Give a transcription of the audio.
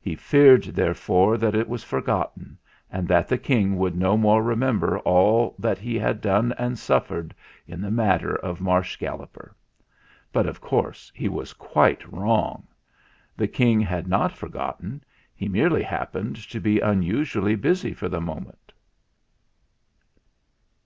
He feared, therefore, that it was forgotten, and that the King would no more remember all that he had done and suffered in the matter of Marsh Galloper. But, of course, he was quite wrong. The King had not for gotten. He merely happened to be unusually busy for the moment.